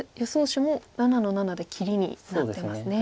手も７の七で切りになってますね。